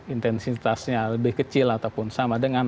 intensitasnya lebih kecil ataupun sama dengan